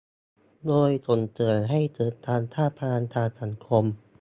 โดยส่งเสริมให้เกิดการสร้างพลังทางสังคม